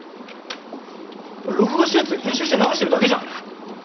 あっ録画したやつ編集して流してるだけじゃん。